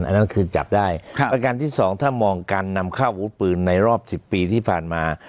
อันนั้นคือจับได้ประการที่สองถ้ามองการนำเข้าอาวุธปืนในรอบสิบปีที่ผ่านมา